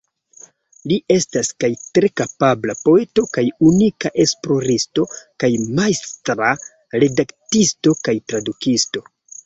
Li estas kaj tre kapabla poeto kaj unika esploristo, kaj majstra redaktisto kaj tradukisto.